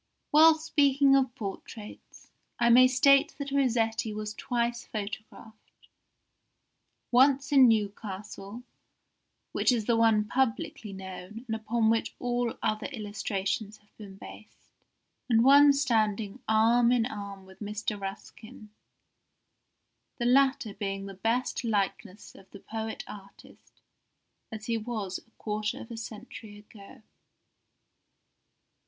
While speaking of portraits, I may state that Rossetti was twice photographed, once in Newcastle (which is the one publicly known, and upon which all other illustrations have been based), and once standing arm in arm with Mr. Ruskin, the latter being the best likeness of the poet artist as he was a quarter of a century ago.